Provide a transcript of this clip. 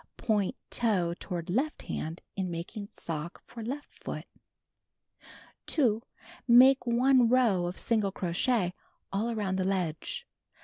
Point toe toward left hand in making sock for left foot.) 2. Make 1 row of single crochet all around the ledge.